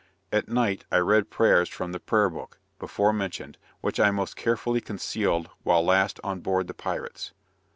At night, I read prayers from the "Prayer Book," before mentioned, which I most carefully concealed while last on board the pirates.